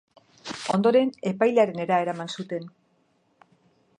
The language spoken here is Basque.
Ondoren, epailearenera eraman zuten.